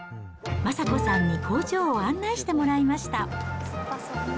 昌子さんに工場を案内してもらいました。